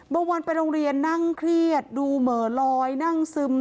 วันไปโรงเรียนนั่งเครียดดูเหม่อลอยนั่งซึม